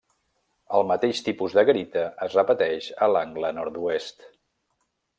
El mateix tipus de garita es repeteix a l'angle nord-oest.